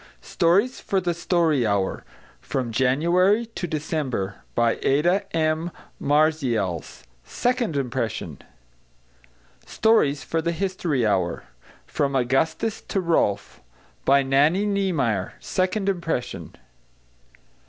=Stories for the Story Hour= From January to December. By ADA M. MARZIALS. Second Impression. =Stories for the History Hour= From Augustus to Rolf. By NANNIE NIEMEYER. Second Impression.